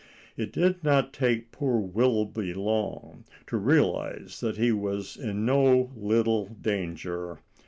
It did not take poor Wilby long to realize that he was in no little danger.